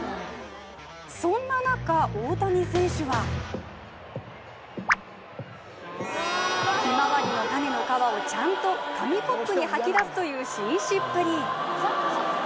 そんな中大谷選手はひまわりの種の皮をちゃんと紙コップに吐き出すという紳士っぷり